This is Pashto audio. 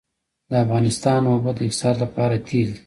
د افغانستان اوبه د اقتصاد لپاره تیل دي